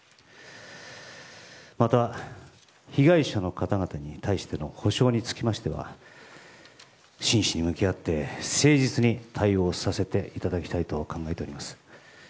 また、被害者の方々に対しての補償につきましては真摯に向き合って誠実に対応させていただきたいと考えております。